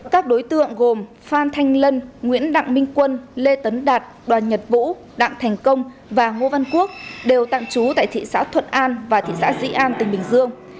các đối tượng gồm phan thanh lân nguyễn đặng minh quân lê tấn đạt đoàn nhật vũ đặng thành công và ngô văn quốc đều tạm trú tại thị xã thuận an và thị xã dĩ an tỉnh bình dương